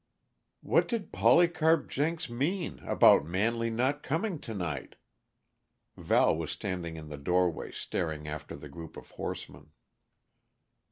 "What did Polycarp Jenks mean about Manley not coming to night?" Val was standing in the doorway, staring after the group of horsemen.